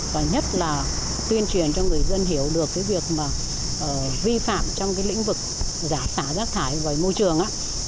và nhất là tuyên truyền cho người dân hiểu được việc vi phạm trong lĩnh vực giả sả rác thải với môi trường